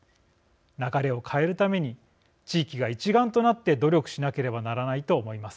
流れを変えるために地域が一丸となって努力しなければならないと思います。